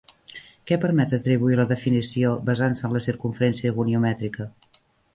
Què permet atribuir la definició basant-se en la circumferència goniomètrica?